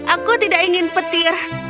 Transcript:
aku tidak ingin petir